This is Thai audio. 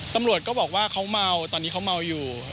ตำรวจก็บอกว่าเขาเมาตอนนี้เขาเมาอยู่